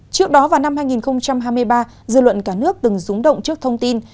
trước đó vào năm hai nghìn hai mươi ba dư luận cả nước từng rúng động trước thông tin